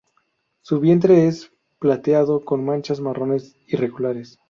Su vientre es plateado con manchas marrones irregulares.